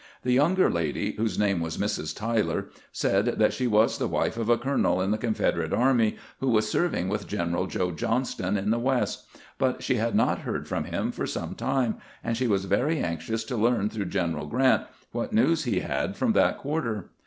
The younger lady, whose name was Mrs. Tyler, said that she was the wife of a colonel in the Confederate army, who was serving with General Joe Johnston in the West ; but she had not heard from him for some time, and she was very anxious to learn 138 CAMPAIGNING WITH GRANT through General Grrant what news he had from that quarter.